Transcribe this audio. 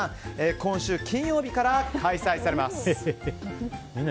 今週金曜日から開催されます。